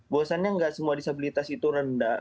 bosannya nggak semua disabilitas itu rendah